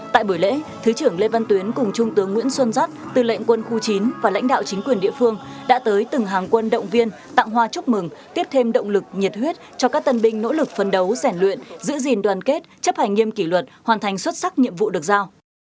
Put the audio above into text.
tại buổi lễ thứ trưởng lê văn tuyến cùng trung tướng nguyễn xuân giáp tư lệnh quân khu chín và lãnh đạo chính quyền địa phương đã tới từng hàng quân động viên tặng hoa chúc mừng tiếp thêm động lực nhiệt huyết cho các tân binh nỗ lực phấn đấu rèn luyện giữ gìn đoàn kết chấp hành nghiêm kỷ luật hoàn thành xuất sắc nhiệm vụ được giao